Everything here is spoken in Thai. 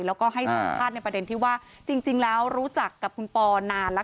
แล้วก็ให้สัมภาษณ์ในประเด็นที่ว่าจริงแล้วรู้จักกับคุณปอนานแล้ว